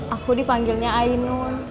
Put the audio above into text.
aku dipanggilnya ainul